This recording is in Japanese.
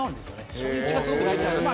初日がすごく大事なんです。